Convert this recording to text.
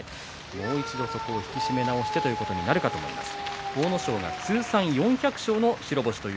もう一度そこを引き締め直してということになるかもしれません。